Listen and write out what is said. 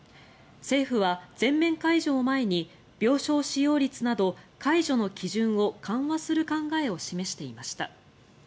政府は、全面解除を前に病床使用率など解除の基準を緩和する考えを示していました。